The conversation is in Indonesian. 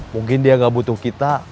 mungkin dia nggak butuh kita